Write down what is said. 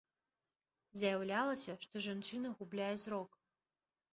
Заяўлялася, што жанчына губляе зрок.